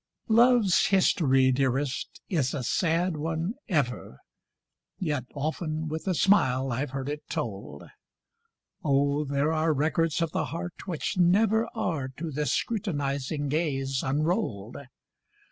Love's history, dearest, is a sad one ever, Yet often with a smile I've heard it told! Oh, there are records of the heart which never Are to the scrutinizing gaze unrolled!